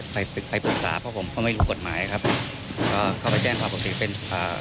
ไปไปปรึกษาเพราะผมก็ไม่รู้กฎหมายครับก็เข้าไปแจ้งความปกติเป็นอ่า